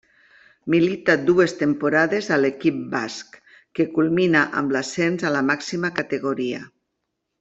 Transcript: Milita dues temporades a l'equip basc, que culmina amb l'ascens a la màxima categoria.